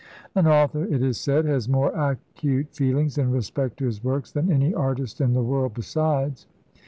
An author, it is said, has more acute feelings in respect to his works than any artist in the world besides.